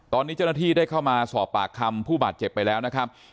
ตอนนี้เจ้าหน้าที่ได้เข้ามาสอบปากคำผู้บาดเจ็บไปแล้วนะครับ